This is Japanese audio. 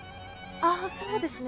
あそうですね。